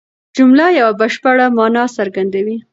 جمله یوه بشپړه مانا څرګندوي.